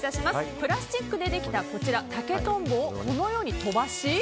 プラスチックでできた竹とんぼをこのように飛ばし。